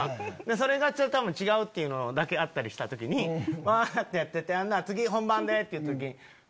それが多分違うっていうのだけあったりした時にわってやってて次本番でっていう時。